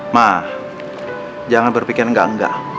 mah jangan berpikir enggak enggak